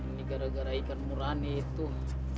ini gara gara ikan murah nih tuh